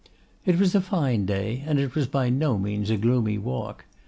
It was a fine day, and it was by no means a gloomy walk.